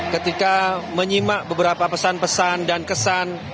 ketika menyimak beberapa pesan pesan dan kesan